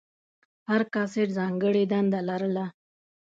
هر کاسټ ځانګړې دنده لرله.